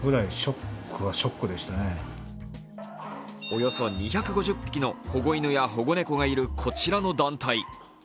およそ２５０匹の保護犬や保護猫がいるこちらの団体。